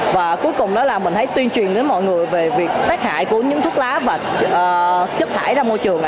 và cuối cùng đó là mình hãy tuyên truyền đến mọi người về việc tác hại của những thuốc lá và chất thải ra môi trường